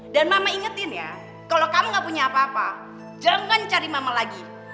dan mama ingetin ya kalau kamu gak punya apa apa jangan cari mama lagi